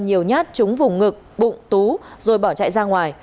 nhiều nhát trúng vùng ngực bụng tú rồi bỏ chạy ra ngoài